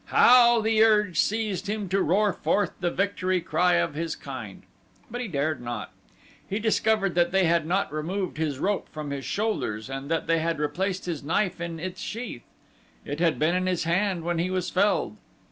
How the urge seized him to roar forth the victory cry of his kind! But he dared not. He discovered that they had not removed his rope from his shoulders and that they had replaced his knife in its sheath. It had been in his hand when he was felled.